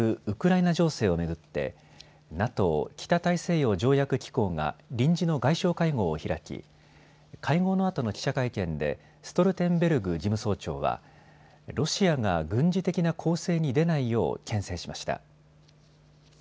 ウクライナ情勢を巡ってＮＡＴＯ・北大西洋条約機構が臨時の外相会合を開き会合のあとの記者会見でストルテンベルグ事務総長はロシアが軍事的な攻勢に出ないよう、けん制しました。